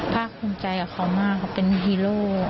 ภาคภูมิใจกับเขามากเขาเป็นฮีโร่